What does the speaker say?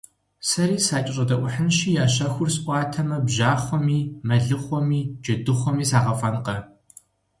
Сэри сакӀэщӀэдэӀухьынщи, я щэхур сӀуатэмэ, бжьахъуэми, мэлыхъуэми, джэдыхъуэми сагъэфӀэнкъэ!